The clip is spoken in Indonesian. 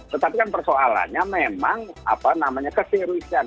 tetapi kan persoalannya memang keseriusan